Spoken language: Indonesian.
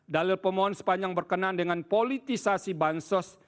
dalil pemohon sepanjang berkenan dengan politisasi bansos